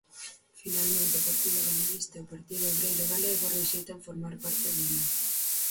Finalmente o Partido Galeguista e o Partido Obreiro Galego rexeitan formar parte dela.